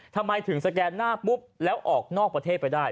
ทำไมถึงสแกนหน้าปุ๊บแล้วออกนอกประเทศไปได้